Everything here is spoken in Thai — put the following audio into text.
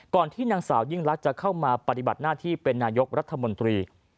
ที่นางสาวยิ่งลักษณ์จะเข้ามาปฏิบัติหน้าที่เป็นนายกรัฐมนตรี